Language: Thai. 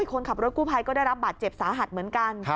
คนขับรถกู้ภัยก็ได้รับบาดเจ็บสาหัสเหมือนกัน